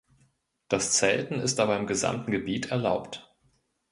Das Zelten ist aber im gesamten Gebiet erlaubt.